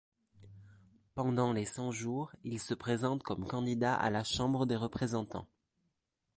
Pendant les Cent-Jours, il se présente comme candidat à la Chambre des représentants.